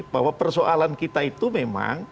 bahwa persoalan kita itu memang